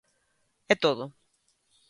É todo.